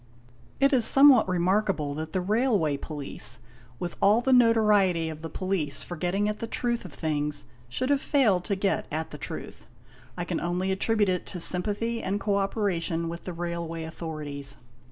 It is somewhat remarkable that the Railway Police, with all the notoriety of the Police for getting at the truth of things, should have failed to get at the truth. I can only attribute it to sympathy and co operation with the Railway authorities.